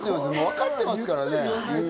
分かってますからね。